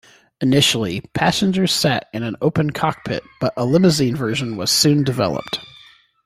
Initially, passengers sat in an open cockpit, but a Limousine version was soon developed.